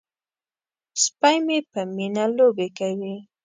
سپی مې په مینه لوبې کوي.